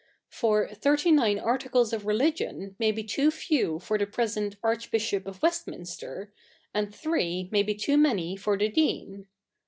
For thirty 7iine articles of religion 771 ay be too few for the present Archbishop of West7ninster, a/id three 77iay be too 7na?iy for the Dean.